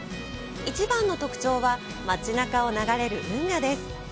一番の特徴は、街中を流れる運河です。